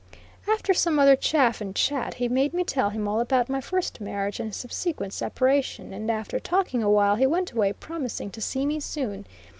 After some other chaff and chat, he made me tell him all about my first marriage and subsequent separation, and after talking awhile he went away, promising to see me soon.